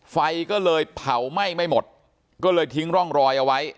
ไฟก็เลยเผาไหม้ไม่หมดก็เลยทิ้งร่องรอยเอาไว้